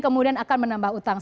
kemudian akan menambah utang